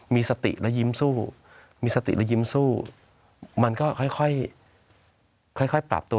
มีสติแล้วยิ้มสู้มีสติแล้วยิ้มสู้มันก็ค่อยค่อยค่อยค่อยปรับตัว